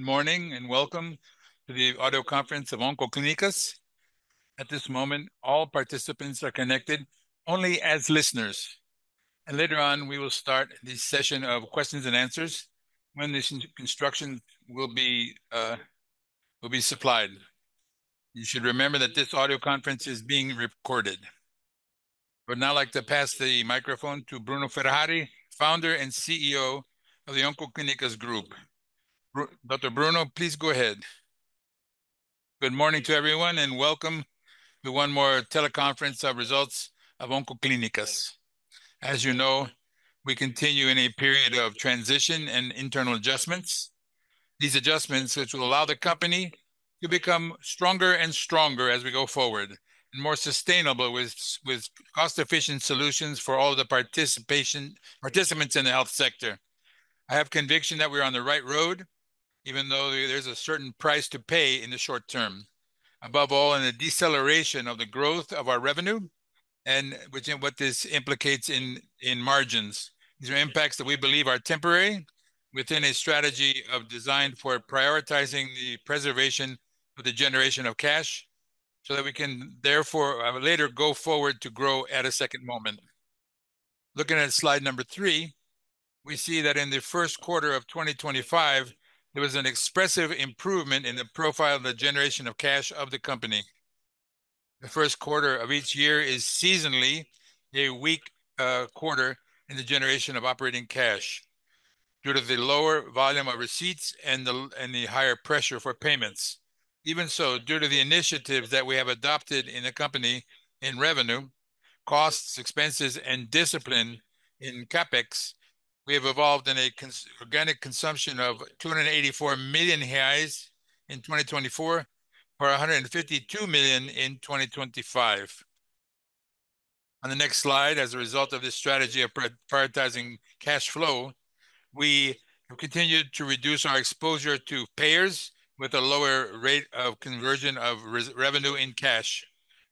Good morning and welcome to the audio conference of Oncoclínicas. At this moment, all participants are connected only as listeners. Later on, we will start the session of questions and answers when this instruction will be supplied. You should remember that this audio conference is being recorded. I would now like to pass the microphone to Bruno Ferrari, Founder and CEO of the Oncoclínicas Group. Dr. Bruno, please go ahead. Good morning to everyone and welcome to one more teleconference of results of Oncoclínicas. As you know, we continue in a period of transition and internal adjustments. These adjustments, which will allow the company to become stronger and stronger as we go forward and more sustainable with cost-efficient solutions for all the participants in the health sector. I have conviction that we're on the right road, even though there's a certain price to pay in the short term. Above all, in the deceleration of the growth of our revenue and what this implicates in margins. These are impacts that we believe are temporary within a strategy designed for prioritizing the preservation of the generation of cash so that we can therefore later go forward to grow at a second moment. Looking at slide number three, we see that in the first quarter of 2025, there was an expressive improvement in the profile of the generation of cash of the company. The first quarter of each year is seasonally a weak quarter in the generation of operating cash due to the lower volume of receipts and the higher pressure for payments. Even so, due to the initiatives that we have adopted in the company in revenue, costs, expenses, and discipline in CapEx, we have evolved in an organic consumption of 284 million reais in 2024 for 152 million in 2025. On the next slide, as a result of this strategy of prioritizing cash flow, we have continued to reduce our exposure to payers with a lower rate of conversion of revenue in cash,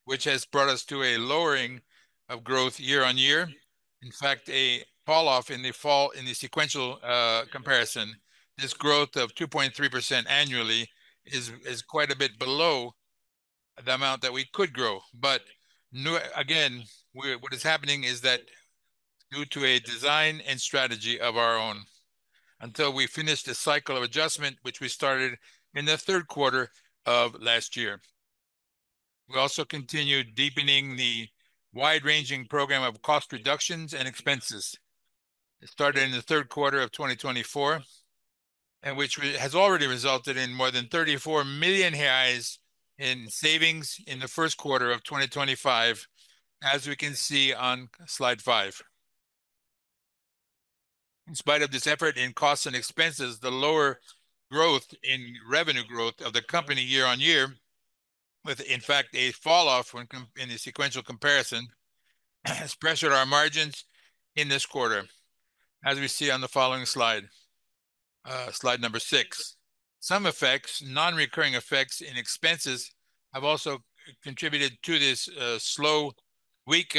which has brought us to a lowering of growth year on year. In fact, a falloff in the sequential comparison. This growth of 2.3% annually is quite a bit below the amount that we could grow. Again, what is happening is that due to a design and strategy of our own until we finished the cycle of adjustment, which we started in the third quarter of last year. We also continue deepening the wide-ranging program of cost reductions and expenses. It started in the third quarter of 2024, which has already resulted in more than 34 million reais in savings in the first quarter of 2025, as we can see on slide five. In spite of this effort in costs and expenses, the lower growth in revenue growth of the company year on year, with in fact a falloff in the sequential comparison, has pressured our margins in this quarter, as we see on the following slide, slide number six. Some effects, non-recurring effects in expenses have also contributed to this slow, weak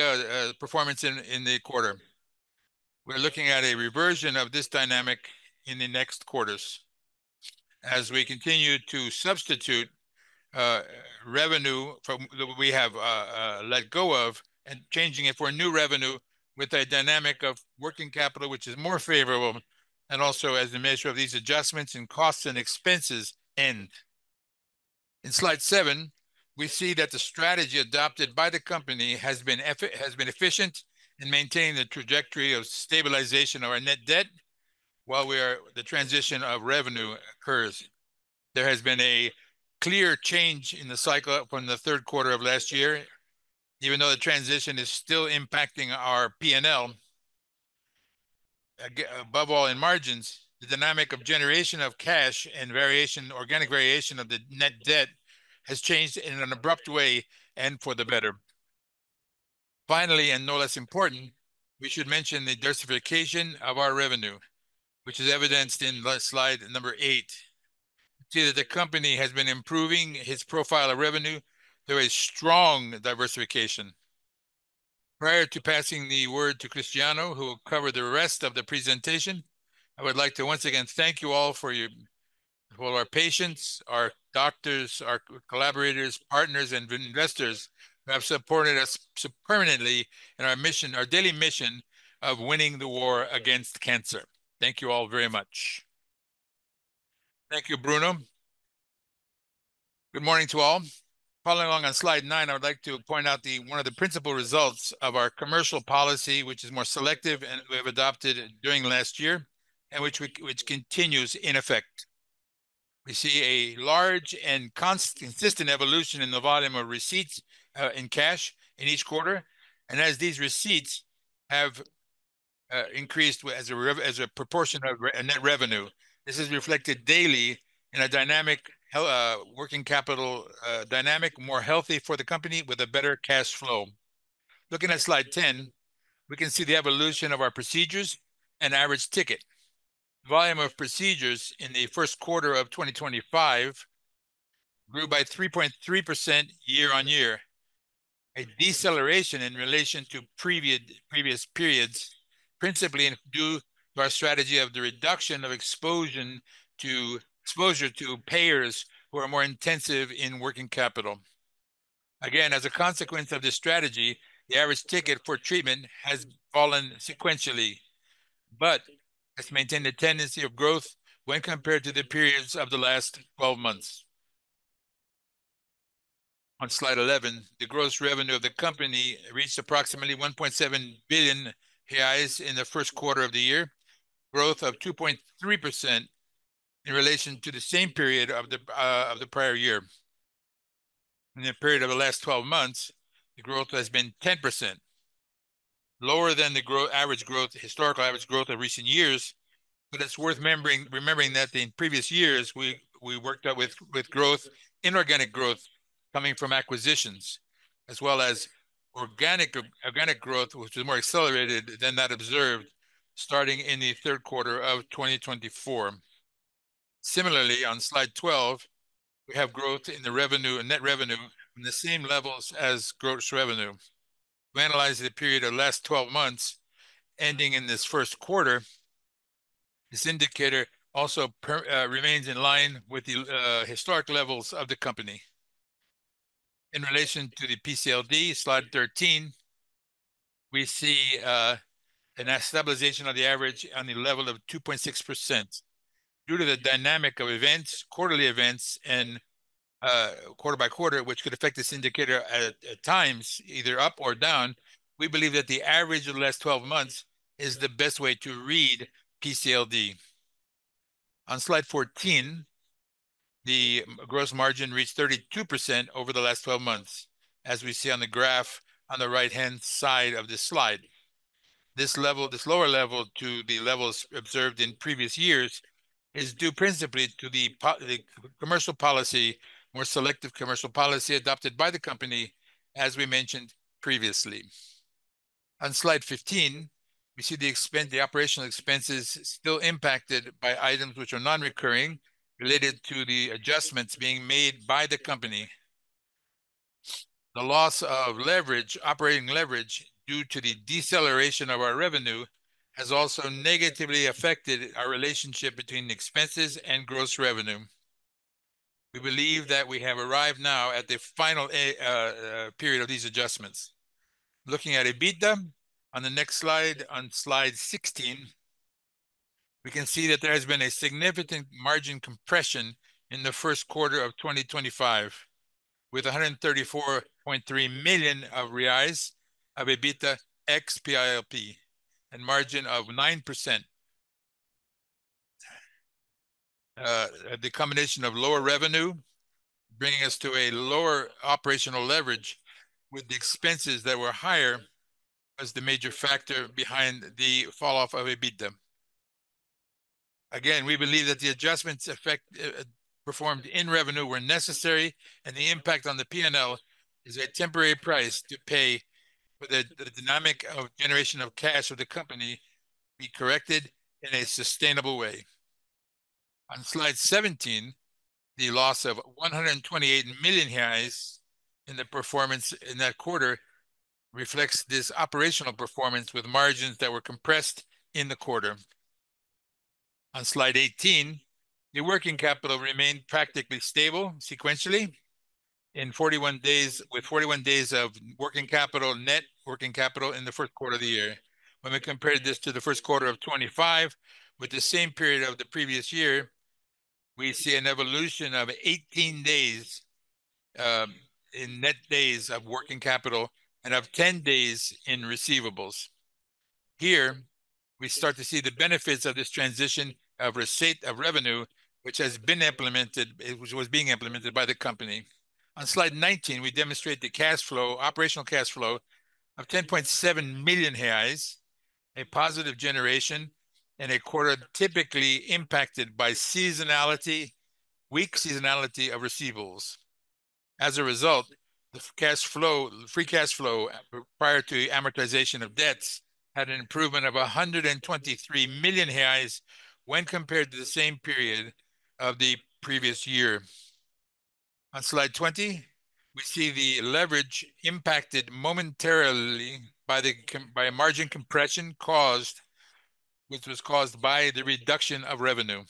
performance in the quarter. We are looking at a reversion of this dynamic in the next quarters as we continue to substitute revenue that we have let go of and changing it for new revenue with a dynamic of working capital, which is more favorable. Also, as a measure of these adjustments in costs and expenses end. In slide seven, we see that the strategy adopted by the company has been efficient in maintaining the trajectory of stabilization of our net debt while the transition of revenue occurs. There has been a clear change in the cycle from the third quarter of last year. Even though the transition is still impacting our P&L, above all in margins, the dynamic of generation of cash and organic variation of the net debt has changed in an abrupt way and for the better. Finally, and no less important, we should mention the diversification of our revenue, which is evidenced in slide number eight. See that the company has been improving its profile of revenue through a strong diversification. Prior to passing the word to Cristiano, who will cover the rest of the presentation, I would like to once again thank you all for your, for all our patients, our doctors, our collaborators, partners, and investors who have supported us permanently in our mission, our daily mission of winning the war against cancer. Thank you all very much. Thank you, Bruno. Good morning to all. Following along on slide nine, I would like to point out one of the principal results of our commercial policy, which is more selective and we have adopted during last year and which continues in effect. We see a large and consistent evolution in the volume of receipts in cash in each quarter. As these receipts have increased as a proportion of net revenue, this is reflected daily in a dynamic working capital dynamic, more healthy for the company with a better cash flow. Looking at slide 10, we can see the evolution of our procedures and average ticket. Volume of procedures in the first quarter of 2025 grew by 3.3% year on year. A deceleration in relation to previous periods principally due to our strategy of the reduction of exposure to payers who are more intensive in working capital. Again, as a consequence of this strategy, the average ticket for treatment has fallen sequentially, but has maintained a tendency of growth when compared to the periods of the last 12 months. On slide 11, the gross revenue of the company reached approximately 1.7 billion reais in the first quarter of the year, growth of 2.3% in relation to the same period of the prior year. In the period of the last 12 months, the growth has been 10%, lower than the average growth, historical average growth of recent years. It is worth remembering that in previous years, we worked out with growth, inorganic growth coming from acquisitions, as well as organic growth, which is more accelerated than that observed starting in the third quarter of 2024. Similarly, on slide 12, we have growth in the revenue, net revenue in the same levels as gross revenue. We analyzed the period of last 12 months ending in this first quarter. This indicator also remains in line with the historic levels of the company. In relation to the PCLD, slide 13, we see a stabilization of the average on the level of 2.6%. Due to the dynamic of events, quarterly events and quarter by quarter, which could affect this indicator at times, either up or down, we believe that the average of the last 12 months is the best way to read PCLD. On slide 14, the gross margin reached 32% over the last 12 months, as we see on the graph on the right-hand side of this slide. This level, this lower level to the levels observed in previous years, is due principally to the commercial policy, more selective commercial policy adopted by the company, as we mentioned previously. On slide 15, we see the operational expenses still impacted by items which are non-recurring related to the adjustments being made by the company. The loss of leverage, operating leverage due to the deceleration of our revenue has also negatively affected our relationship between expenses and gross revenue. We believe that we have arrived now at the final period of these adjustments. Looking at EBITDA on the next slide, on slide 16, we can see that there has been a significant margin compression in the first quarter of 2025 with 134.3 million reais of EBITDA XPILP and margin of 9%. The combination of lower revenue bringing us to a lower operational leverage with the expenses that were higher as the major factor behind the falloff of EBITDA. Again, we believe that the adjustments performed in revenue were necessary, and the impact on the P&L is a temporary price to pay for the dynamic of generation of cash of the company to be corrected in a sustainable way. On slide 17, the loss of 128 million reais in the performance in that quarter reflects this operational performance with margins that were compressed in the quarter. On slide 18, the working capital remained practically stable sequentially in 41 days with 41 days of working capital, net working capital in the first quarter of the year. When we compared this to the first quarter of 2025 with the same period of the previous year, we see an evolution of 18 days in net days of working capital and of 10 days in receivables. Here, we start to see the benefits of this transition of receipt of revenue, which has been implemented, which was being implemented by the company. On slide 19, we demonstrate the cash flow, operational cash flow of 10.7 million reais in a positive generation in a quarter typically impacted by seasonality, weak seasonality of receivables. As a result, the cash flow, free cash flow prior to amortization of debts had an improvement of 123 million reais when compared to the same period of the previous year. On slide 20, we see the leverage impacted momentarily by the margin compression caused, which was caused by the reduction of revenue.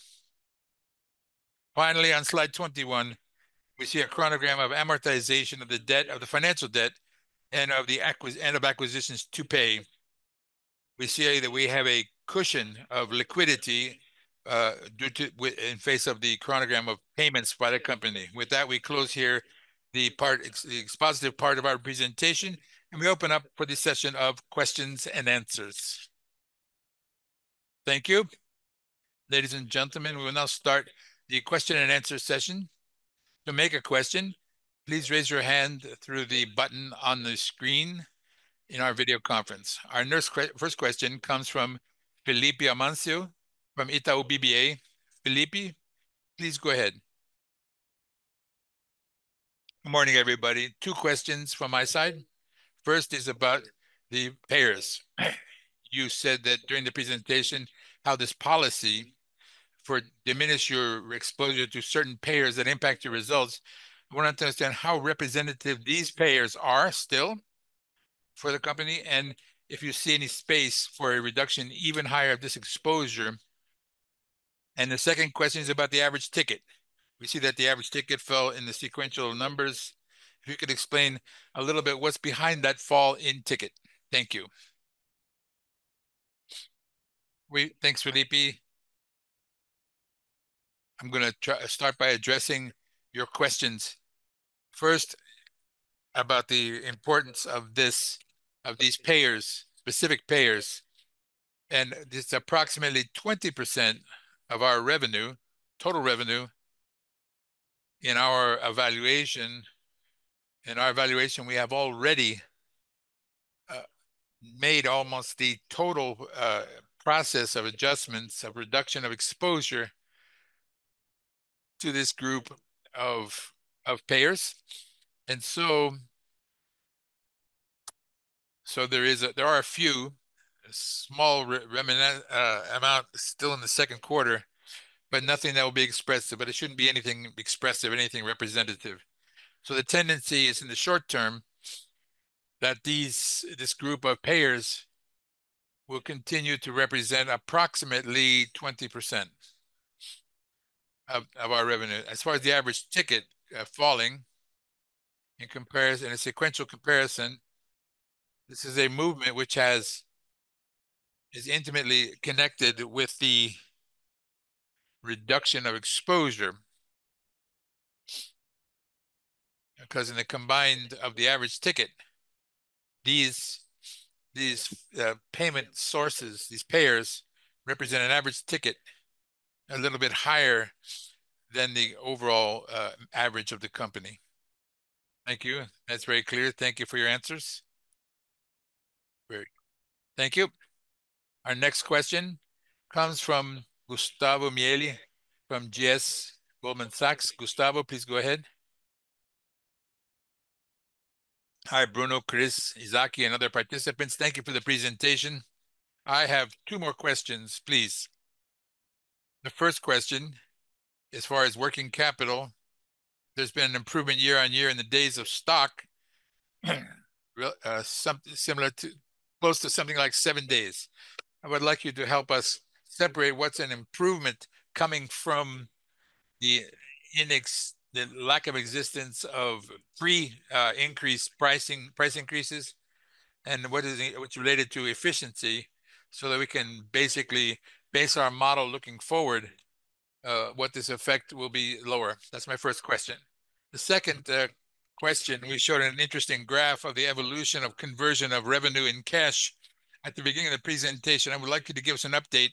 Finally, on slide 21, we see a chronogram of amortization of the debt of the financial debt and of the end of acquisitions to pay. We see that we have a cushion of liquidity in face of the chronogram of payments by the company. With that, we close here the positive part of our presentation, and we open up for the session of questions and answers. Thank you. Ladies and gentlemen, we will now start the question and answer session. To make a question, please raise your hand through the button on the screen in our video conference. Our first question comes from Felipe Amancio from Itaú BBA. Felipe, please go ahead. Good morning, everybody. Two questions from my side. First is about the payers. You said that during the presentation how this policy for diminish your exposure to certain payers that impact your results. I want to understand how representative these payers are still for the company and if you see any space for a reduction even higher of this exposure. The second question is about the average ticket. We see that the average ticket fell in the sequential numbers. If you could explain a little bit what's behind that fall in ticket. Thank you. Thanks, Felipe. I'm going to start by addressing your questions. First, about the importance of these payers, specific payers. It's approximately 20% of our revenue, total revenue in our evaluation. In our evaluation, we have already made almost the total process of adjustments of reduction of exposure to this group of payers. There are a few small amount still in the second quarter, but nothing that will be expressive. It shouldn't be anything expressive or anything representative. The tendency is in the short term that this group of payers will continue to represent approximately 20% of our revenue. As far as the average ticket falling in a sequential comparison, this is a movement which is intimately connected with the reduction of exposure because in the combined of the average ticket, these payment sources, these payers represent an average ticket a little bit higher than the overall average of the company. Thank you. That's very clear. Thank you for your answers. Great. Thank you. Our next question comes from Gustavo Miele from Goldman Sachs. Gustavo, please go ahead. Hi, Bruno, Chris, Izaki, and other participants. Thank you for the presentation. I have two more questions, please. The first question, as far as working capital, there's been an improvement year on year in the days of stock, similar to close to something like seven days. I would like you to help us separate what is an improvement coming from the lack of existence of pre-increased price increases and what is related to efficiency so that we can basically base our model looking forward what this effect will be lower. That is my first question. The second question, we showed an interesting graph of the evolution of conversion of revenue in cash at the beginning of the presentation. I would like you to give us an update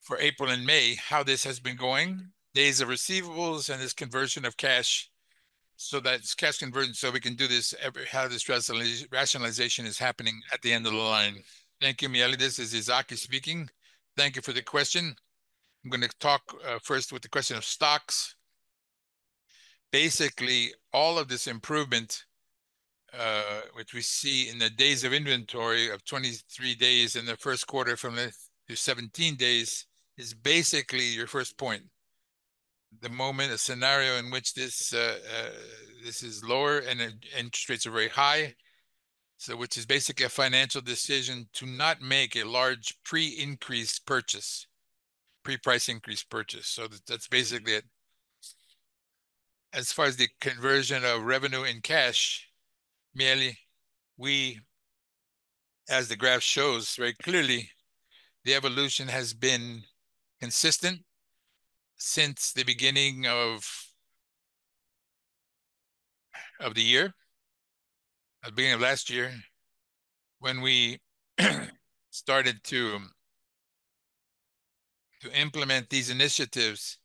for April and May, how this has been going, days of receivables, and this conversion of cash so that it is cash conversion so we can do this, how this rationalization is happening at the end of the line. Thank you, Miele. This is Izaki speaking. Thank you for the question. I am going to talk first with the question of stocks. Basically, all of this improvement, which we see in the days of inventory of 23 days in the first quarter from the 17 days, is basically your first point. The moment, a scenario in which this is lower and interest rates are very high, which is basically a financial decision to not make a large pre-increase purchase, pre-price increase purchase. That is basically it. As far as the conversion of revenue in cash, Miele, as the graph shows very clearly, the evolution has been consistent since the beginning of the year, at the beginning of last year, when we started to implement these initiatives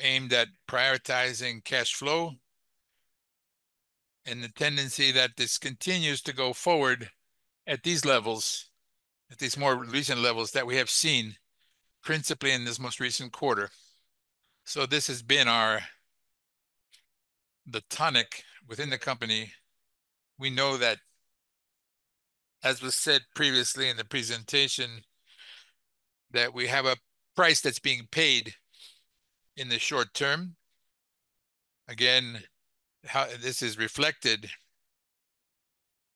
aimed at prioritizing cash flow and the tendency that this continues to go forward at these levels, at these more recent levels that we have seen principally in this most recent quarter. This has been our the tonic within the company. We know that, as was said previously in the presentation, we have a price that's being paid in the short term. This is reflected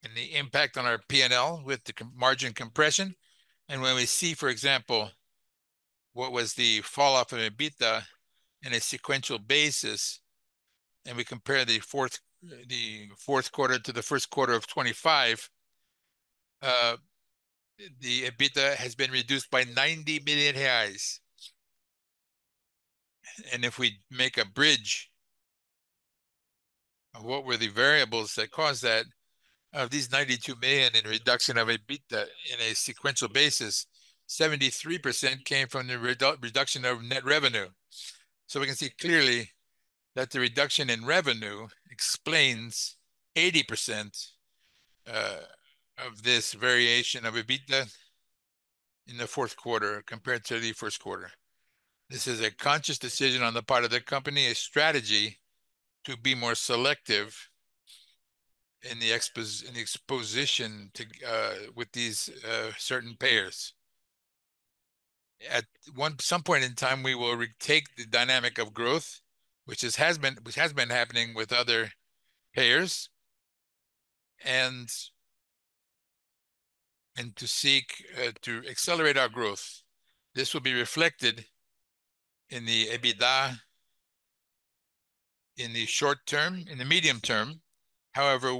in the impact on our P&L with the margin compression. When we see, for example, what was the falloff of EBITDA on a sequential basis, and we compare the fourth quarter to the first quarter of 2025, the EBITDA has been reduced by 90 million reais. If we make a bridge of what were the variables that caused that, of these 92 million in reduction of EBITDA on a sequential basis, 73% came from the reduction of net revenue. We can see clearly that the reduction in revenue explains 80% of this variation of EBITDA in the fourth quarter compared to the first quarter. This is a conscious decision on the part of the company, a strategy to be more selective in the exposition with these certain payers. At some point in time, we will retake the dynamic of growth, which has been happening with other payers, and to seek to accelerate our growth. This will be reflected in the EBITDA in the short term, in the medium term, however,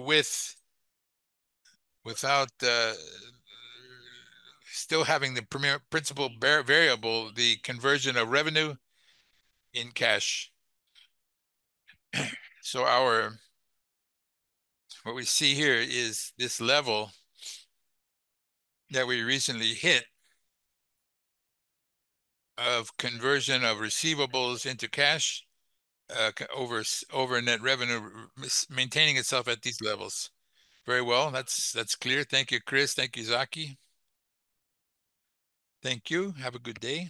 without still having the principal variable, the conversion of revenue in cash. What we see here is this level that we recently hit of conversion of receivables into cash over net revenue maintaining itself at these levels. Very well. That is clear. Thank you, Chris. Thank you, Izaki. Thank you. Have a good day.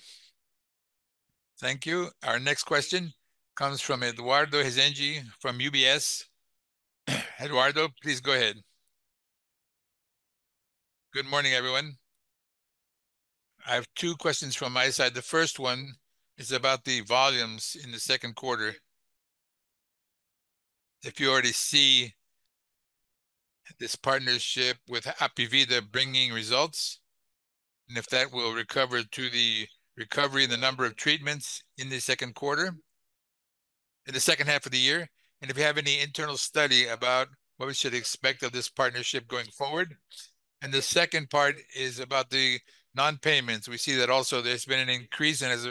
Thank you. Our next question comes from Eduardo Hezengi from UBS. Eduardo, please go ahead. Good morning, everyone. I have two questions from my side. The first one is about the volumes in the second quarter. If you already see this partnership with APIVIDA bringing results, and if that will recover to the recovery in the number of treatments in the second quarter in the second half of the year, and if you have any internal study about what we should expect of this partnership going forward. The second part is about the non-payments. We see that also there's been an increase as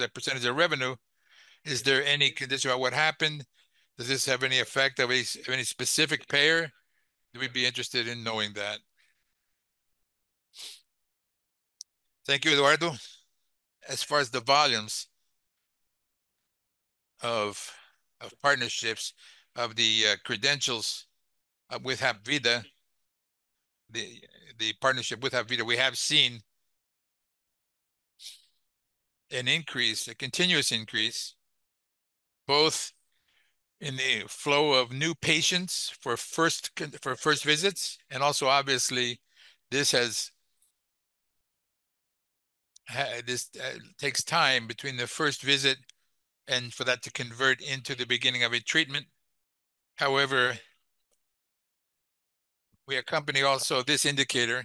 a percentage of revenue. Is there any condition about what happened? Does this have any effect of any specific payer? We'd be interested in knowing that. Thank you, Eduardo. As far as the volumes of partnerships of the credentials with APIVIDA, the partnership with APIVIDA, we have seen an increase, a continuous increase, both in the flow of new patients for first visits, and also, obviously, this takes time between the first visit and for that to convert into the beginning of a treatment. However, we accompany also this indicator,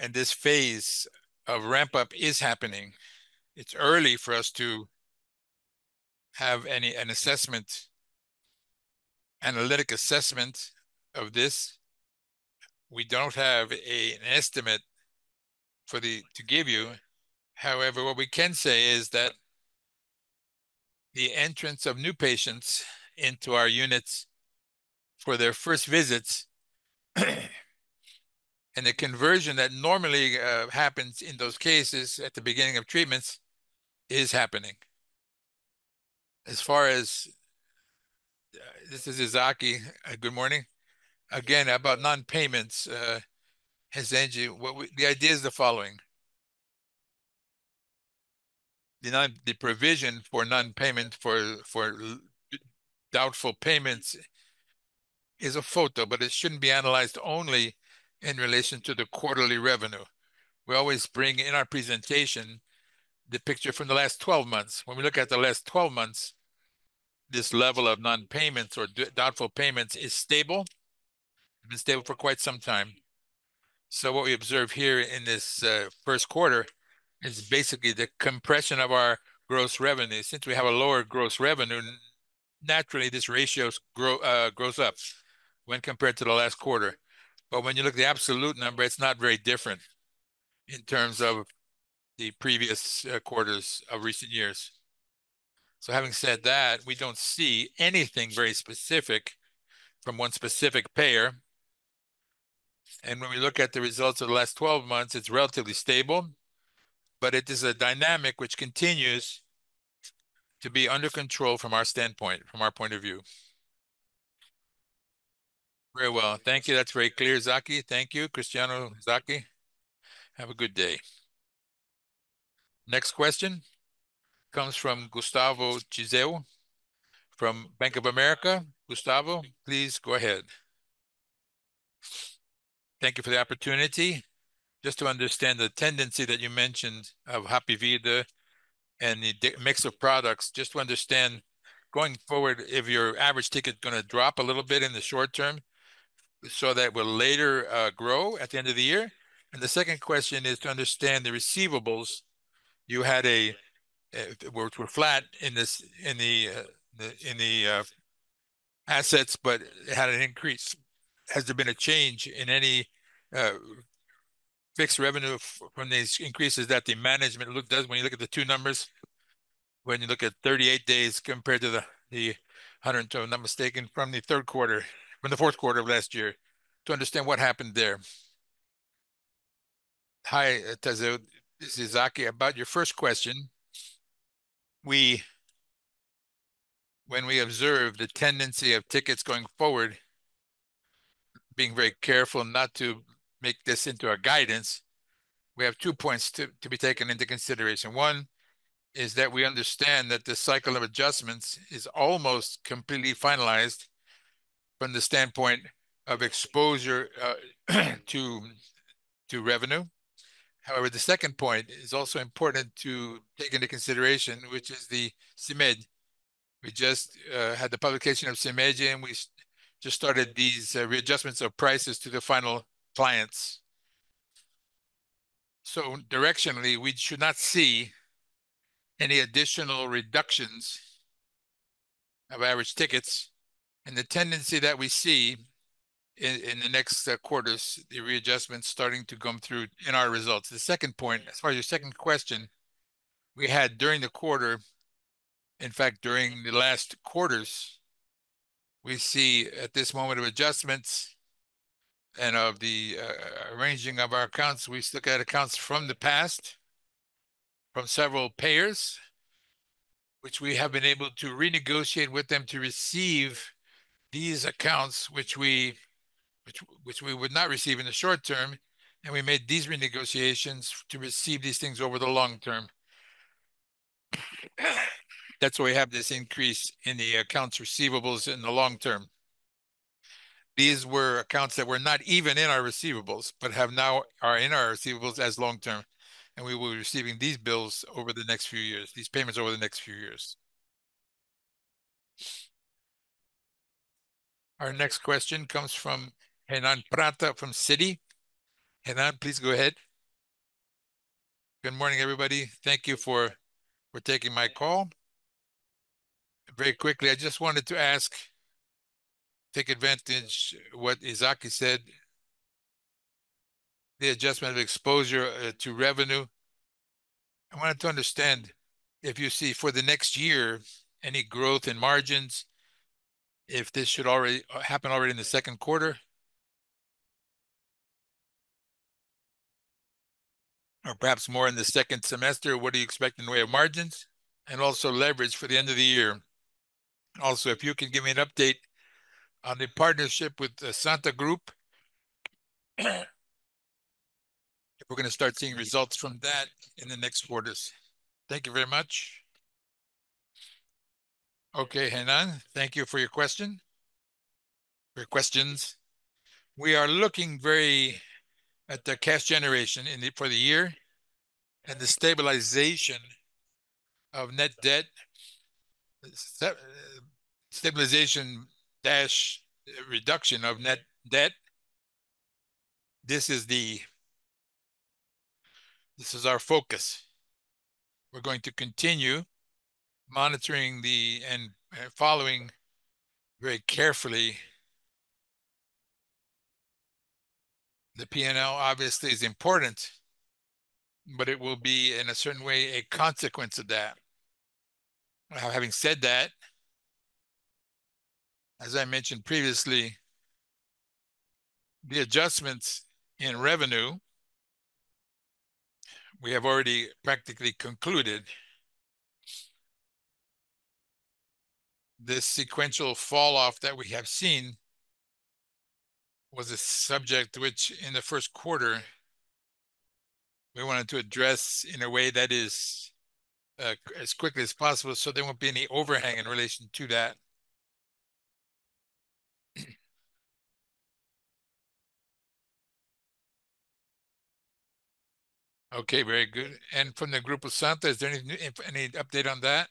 and this phase of ramp-up is happening. It's early for us to have an assessment, analytic assessment of this. We don't have an estimate to give you. However, what we can say is that the entrance of new patients into our units for their first visits and the conversion that normally happens in those cases at the beginning of treatments is happening. As far as this is Izaki. Good morning. Again, about non-payments, Hezengi, the idea is the following. The provision for non-payment for doubtful payments is a photo, but it shouldn't be analyzed only in relation to the quarterly revenue. We always bring in our presentation the picture from the last 12 months. When we look at the last 12 months, this level of non-payments or doubtful payments is stable. It's been stable for quite some time. What we observe here in this first quarter is basically the compression of our gross revenue. Since we have a lower gross revenue, naturally, this ratio grows up when compared to the last quarter. When you look at the absolute number, it's not very different in terms of the previous quarters of recent years. Having said that, we don't see anything very specific from one specific payer. When we look at the results of the last 12 months, it's relatively stable, but it is a dynamic which continues to be under control from our standpoint, from our point of view. Very well. Thank you. That's very clear, Izaki. Thank you, Cristiano Izaki. Have a good day. Next question comes from Gustavo Tiseo from Bank of America. Gustavo, please go ahead. Thank you for the opportunity. Just to understand the tendency that you mentioned of APIVIDA and the mix of products, just to understand going forward if your average ticket is going to drop a little bit in the short term so that it will later grow at the end of the year. The second question is to understand the receivables. You had a were flat in the assets, but it had an increase. Has there been a change in any fixed revenue from these increases that the management looked at when you look at the two numbers, when you look at 38 days compared to the 100, if I'm not mistaken, from the third quarter, from the fourth quarter of last year, to understand what happened there? Hi, Tiseo. This is Izaki. About your first question, when we observe the tendency of tickets going forward, being very careful not to make this into our guidance, we have two points to be taken into consideration. One is that we understand that the cycle of adjustments is almost completely finalized from the standpoint of exposure to revenue. However, the second point is also important to take into consideration, which is the CMED. We just had the publication of CMED, and we just started these readjustments of prices to the final clients. Directionally, we should not see any additional reductions of average tickets. The tendency that we see in the next quarters is the readjustments starting to come through in our results. The second point, as far as your second question, we had during the quarter, in fact, during the last quarters, we see at this moment of adjustments and of the arranging of our accounts, we look at accounts from the past from several payers, which we have been able to renegotiate with them to receive these accounts, which we would not receive in the short term. We made these renegotiations to receive these things over the long term. That is why we have this increase in the accounts receivables in the long term. These were accounts that were not even in our receivables, but have now are in our receivables as long term. We will be receiving these bills over the next few years, these payments over the next few years. Our next question comes from Renan Prata from Citi. Henan, please go ahead. Good morning, everybody. Thank you for taking my call. Very quickly, I just wanted to ask, take advantage of what Izaki said, the adjustment of exposure to revenue. I wanted to understand if you see for the next year any growth in margins, if this should already happen already in the second quarter, or perhaps more in the second semester, what do you expect in the way of margins and also leverage for the end of the year? Also, if you can give me an update on the partnership with the Santa Group, if we're going to start seeing results from that in the next quarters. Thank you very much. Okay, Henan, thank you for your question. Your questions. We are looking very at the cash generation for the year and the stabilization of net debt, stabilization-reduction of net debt. This is our focus. We're going to continue monitoring and following very carefully. The P&L obviously is important, but it will be, in a certain way, a consequence of that. Having said that, as I mentioned previously, the adjustments in revenue, we have already practically concluded. This sequential falloff that we have seen was a subject which, in the first quarter, we wanted to address in a way that is as quickly as possible so there won't be any overhang in relation to that. Okay, very good. From the group of Santa, is there any update on that?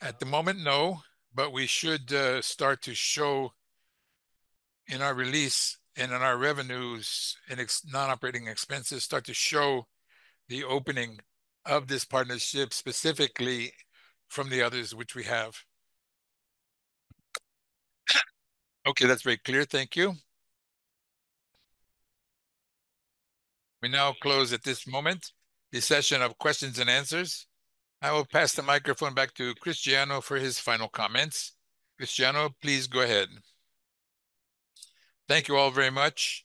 At the moment, no, but we should start to show in our release and in our revenues and non-operating expenses start to show the opening of this partnership specifically from the others which we have. Okay, that's very clear. Thank you. We now close at this moment the session of questions and answers. I will pass the microphone back to Cristiano for his final comments. Cristiano, please go ahead. Thank you all very much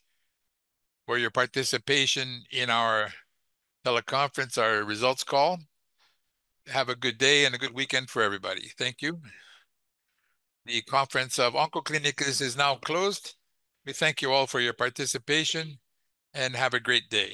for your participation in our teleconference, our results call. Have a good day and a good weekend for everybody. Thank you. The conference of Oncoclínicas is now closed. We thank you all for your participation and have a great day.